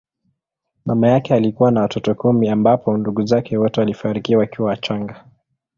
Mama yake alikuwa na watoto kumi ambapo ndugu zake wote walifariki wakiwa wachanga.